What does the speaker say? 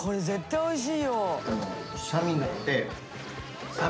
おいしい！